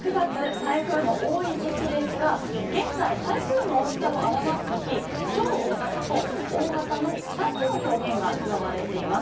台風の多い時期ですが現在、台風の大きさを表す時超大型と大型の２つの表現が使われています。